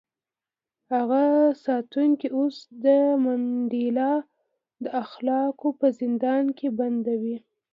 هغه ساتونکی اوس د منډېلا د اخلاقو په زندان کې بندي و.